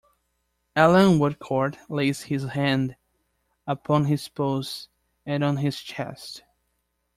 Allan Woodcourt lays his hand upon his pulse and on his chest.